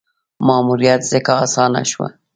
ماموریت ځکه اسانه شو.